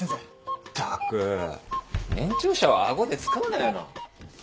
ったく年長者を顎で使うなよな。